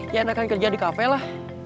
ya enakan kerja di kafe lah